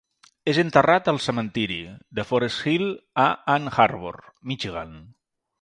És enterrat al cementiri de Forest Hill a Ann Arbor, Michigan.